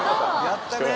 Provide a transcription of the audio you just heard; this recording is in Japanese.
「やったね。